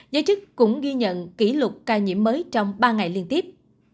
giới chức cũng ghi nhận kỷ lục ca nhiễm mới trong ba ngày liên tiếp